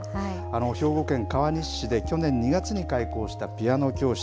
兵庫県川西市で、去年２月に開講したピアノ教室。